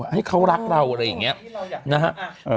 ให้เขารักเราอะไรอย่างนี้นะฮะ